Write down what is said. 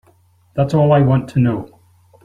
That's all I want to know.